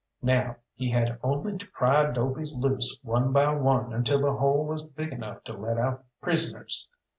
Now he had only to pry 'dobes loose one by one until the hole was big enough to let out prisoners.